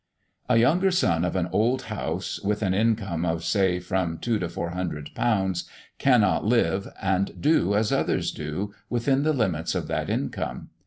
A younger son of an old house, with an income of, say from two to four hundred pounds, cannot live, and do as others do, within the limits of that income.